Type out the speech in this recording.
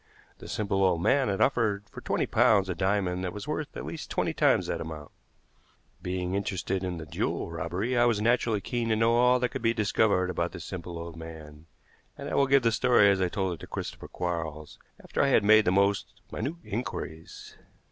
The simple old man had offered for twenty pounds a diamond that was worth at least twenty times that amount. Being interested in the jewel robbery, I was naturally keen to know all that could be discovered about this simple old man, and I will give the story as I told it to Christopher Quarles after I had made the most minute inquiries.